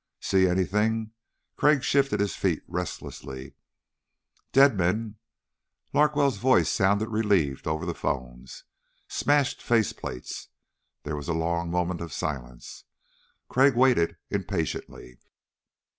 "See anything?" Crag shifted his feet restlessly. "Dead men." Larkwell's voice sounded relieved over the phones. "Smashed face plates." There was a long moment of silence. Crag waited impatiently.